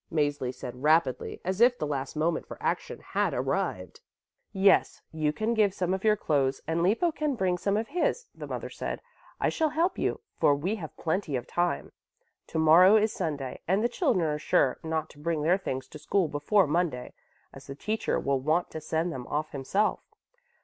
Mäzli said rapidly, as if the last moment for action had arrived. "Yes, you can give some of your clothes and Lippo can bring some of his," the mother said. "I shall help you, for we have plenty of time. To morrow is Sunday and the children are sure not to bring their things to school before Monday, as the teacher will want to send them off himself."